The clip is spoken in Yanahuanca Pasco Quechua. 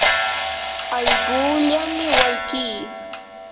allquullami walkii.